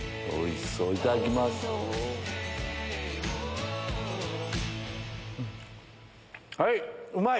おいしそう！